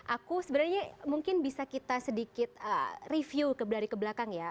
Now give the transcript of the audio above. aku sebenarnya mungkin bisa kita sedikit review dari kebelakang ya